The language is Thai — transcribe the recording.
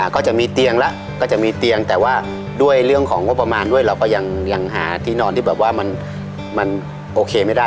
ก็จะมีเตียงแล้วก็จะมีเตียงแต่ว่าด้วยเรื่องของงบประมาณด้วยเราก็ยังหาที่นอนที่แบบว่ามันโอเคไม่ได้